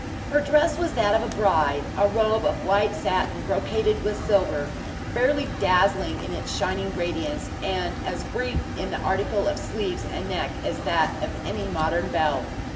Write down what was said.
Her dress was that of a bride; a robe of white satin brocaded with silver, fairly dazzling in its shining radiance, and as brief in the article of sleeves and neck as that of any modern belle.